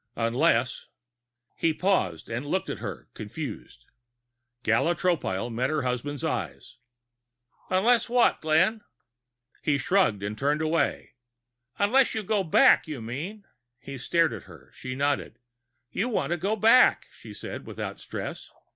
"Unless " He paused and looked at her, confused. Gala Tropile met her husband's eyes. "Unless what, Glenn?" He shrugged and turned away. "Unless you go back, you mean." He stared at her; she nodded. "You want to go back," she said, without stress.